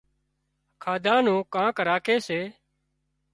کاڌا نُون ڪانڪ راکي سي